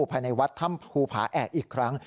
ภายในวัดธรรมภูภาแออีกครั้ง